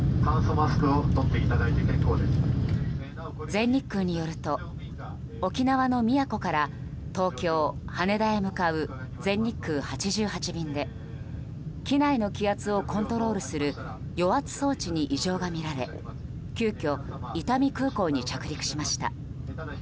全日空によると沖縄の宮古から東京・羽田へ向かう全日空８８便で機内の気圧をコントロールする与圧装置に異常が見られ急きょ伊丹空港に着陸しました。